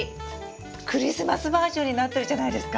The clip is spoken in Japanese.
クリスマスバージョンになってるじゃないですか！